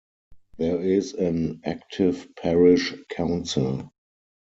There is an active parish council.